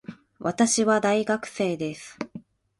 私は大学生です。